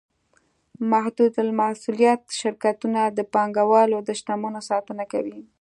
محدودالمسوولیت شرکتونه د پانګهوالو د شتمنیو ساتنه کوي.